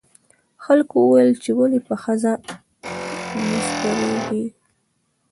خلکو وویل چې ولې په خره نه سپریږې.